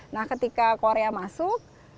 nah ketika korea masuk